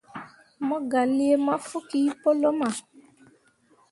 Mo gah lii mafokki pu luma.